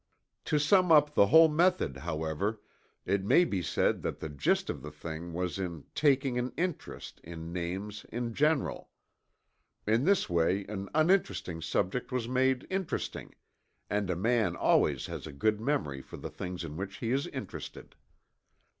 To sum up the whole method, however, it may be said that the gist of the thing was in taking an interest in names in general. In this way an uninteresting subject was made interesting and a man always has a good memory for the things in which he is interested.